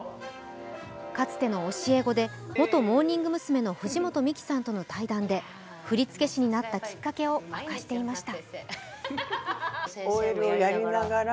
かつての教え子で元モーニング娘の藤本美貴さんとの対談で振り付け師になったきっかけを明かしていました。